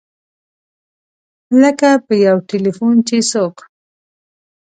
لکه په یو ټیلفون چې څوک.